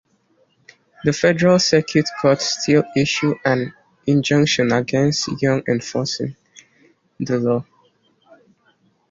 The federal circuit court still issued an injunction against Young enforcing the law.